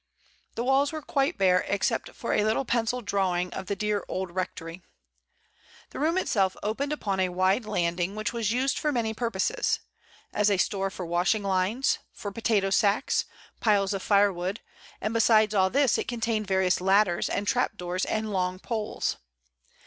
The walls were quite bare, except for a little pencil drawing of the dear old rectory. The room itself THE ATEX.IEIL 75 opened upon a wide landing, which was used for many purposes, as a store for washing lines, for potato sacks, piles of firewood, and besides all this it contained various ladders and trap doors and long poles.